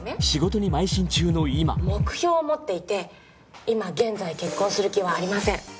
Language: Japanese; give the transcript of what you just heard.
仕事にまい進中の今目標を持っていて今現在結婚する気はありません